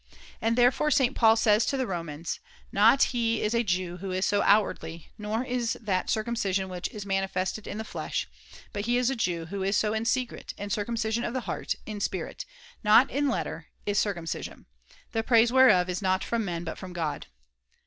And therefore St. Paul says to the Romans :* Not he is a Jew who is so outwardly ; nor is that circumcision which is manifested in the flesh ; but he is a Jew who is so in secret, and circumcision of the heart, in spirit, not in [[So] letter, is circum cision ; the praise whereof is not from men but from God.'